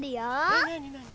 えなになに？